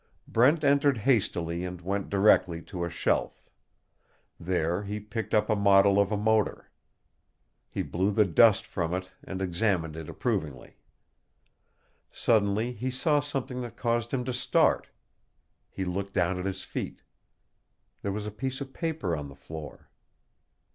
Brent entered hastily and went directly to a shelf. There he picked up a model of a motor. He blew the dust from it and examined it approvingly. Suddenly he saw something that caused him to start. He looked down at his feet. There was a piece of paper on the floor.